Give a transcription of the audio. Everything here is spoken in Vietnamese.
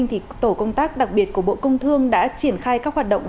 tổ công tác đặc biệt của bộ công thương đã triển khai các hoạt động